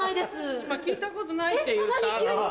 今聞いたことないって言った？